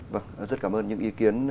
vâng rất cảm ơn những ý kiến